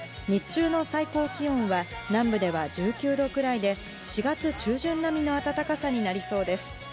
日中の最高気温は、南部では１９度くらいで、４月中旬並みの暖かさになりそうです。